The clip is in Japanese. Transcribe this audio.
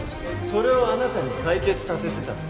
それをあなたに解決させてたの